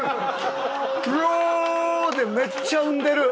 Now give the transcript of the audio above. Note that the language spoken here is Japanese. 「ロー！」でめっちゃ産んでる。